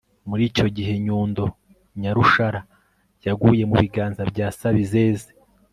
muri icyo gihe, nyundo, nyarushara, yaguye mu biganza bya sabizeze